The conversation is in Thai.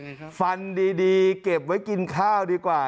ฟันดีเก็บไว้กินข้าวดีกว่า